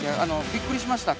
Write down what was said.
◆びっくりしました。